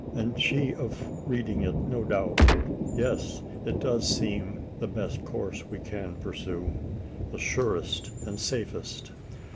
"And she of reading it, no doubt. Yes; it does seem the best course we can pursue the surest and safest.